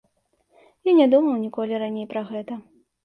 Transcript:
Я не думаў ніколі раней пра гэта.